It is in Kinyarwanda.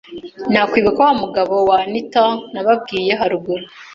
nakwibuka wa mugabo wa Anitha nababwiye haruguru,